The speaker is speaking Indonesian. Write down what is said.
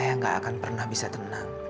saya gak akan pernah bisa tenang